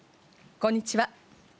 こんにちは。